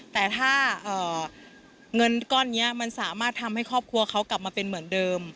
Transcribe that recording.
แต่ถ้าเงินก้อนนี้มันสามารถทำให้ครอบครัวเขากลับมาเป็นเหมือนเดิม